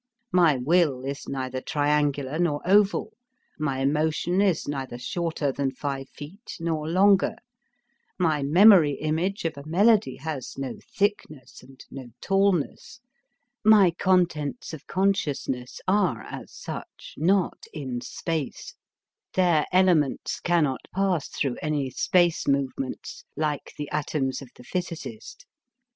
My will is neither triangular nor oval; my emotion is neither shorter than five feet nor longer; my memory image of a melody has no thickness and no tallness; my contents of consciousness are as such not in space; their elements cannot pass through any space movements like the atoms of the physicist.